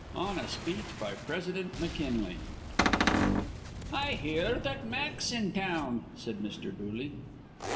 ON A SPEECH BY PRESIDENT McKINLEY. "I hear r that Mack's in town," said Mr. Dooley.